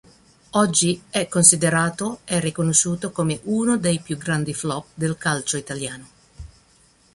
Oggi è considerato e riconosciuto come uno dei più grandi flop del calcio italiano.